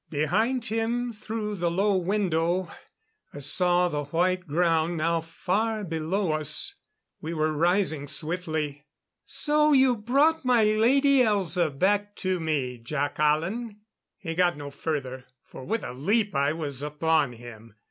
Behind him through the low window, I saw the white ground now far below us; we were rising swiftly. "So you brought my Lady Elza back to me, Jac Hallen?" He got no further, for with a leap I was upon him.